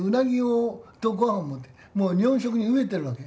で、日本食に飢えてるわけ。